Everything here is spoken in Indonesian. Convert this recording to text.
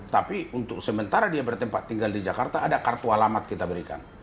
tapi untuk sementara dia bertempat tinggal di jakarta ada kartu alamat kita berikan